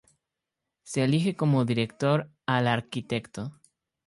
Se elije como Director al Arq.